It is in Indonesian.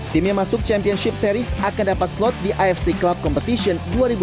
tim yang masuk championship series akan dapat slot di afc club competition dua ribu dua puluh empat dua ribu dua puluh lima